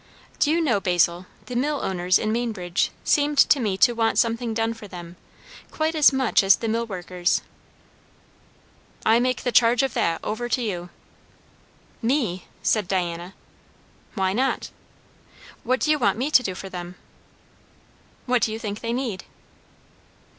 "Do you know, Basil, the millowners in Mainbridge seemed to me to want something done for them, quite as much as the millworkers?" "I make the charge of that over to you." "Me!" said Diana. "Why not?" "What do you want me to do for them?" "What do you think they need?"